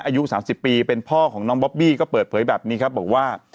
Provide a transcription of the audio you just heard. อายุ๓๐ปีเป็นพ่อของน้องบอบบี้ก็เปิดเผยแบบนี้ครับบอกว่า